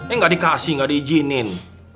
eh gak dikasih gak diijinin